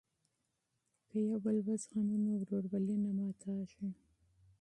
که یو بل وزغمو نو ورورولي نه ماتیږي.